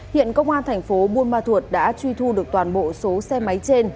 hiện công an thành phố buôn ma thuột đã truy thu được toàn bộ số xe máy trên